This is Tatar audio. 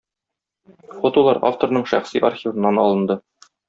Фотолар авторның шәхси архивыннан алынды.